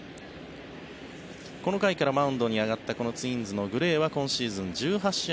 この回からマウンドに上がったツインズのグレイは今シーズン、１８試合